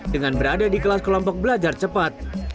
dengan berada di kelas kelompok belajar cepat